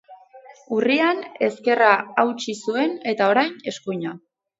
Urrian ezkerra hautsi zuen eta orain eskuina.